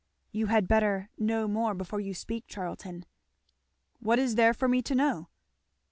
"You had better know more before you speak, Charlton." "What is there for me to know?"